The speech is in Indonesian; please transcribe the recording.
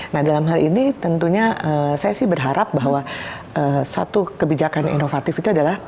nah dalam hal ini tentunya saya sih berharap bahwa satu kebijakan inovatif itu adalah